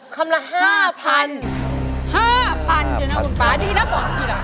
คำละ๕๐๐๐บาท๕๐๐๐บาทเดี๋ยวนะคุณป๊าดีนะบอกทีละ